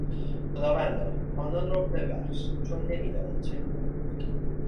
خداوندا، آنان را ببخش چون نمیدانند چه میکنند.